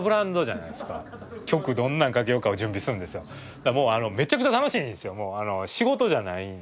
だからもうめちゃくちゃ楽しいんですよ。